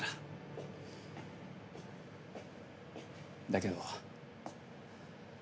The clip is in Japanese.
だけど。